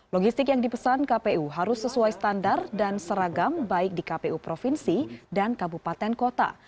logistik yang dipesan kpu harus sesuai standar dan seragam baik di kpu provinsi dan kabupaten kota